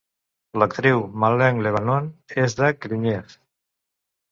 L'actriu Malin Levanon és de Gagnef.